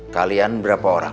kalian berapa orang